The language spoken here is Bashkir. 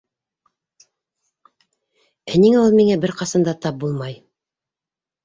Ә ниңә ул миңә бер ҡасан да тап булмай?